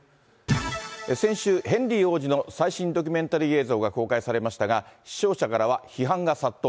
先週、ヘンリー王子の最新ドキュメンタリー映像が公開されましたが、視聴者からは批判が殺到。